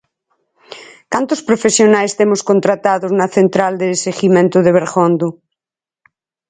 ¿Cantos profesionais temos contratados na central de seguimento de Bergondo?